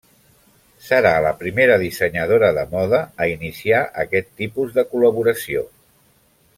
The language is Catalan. Serà la primera dissenyadora de moda a iniciar aquest tipus de col·laboració.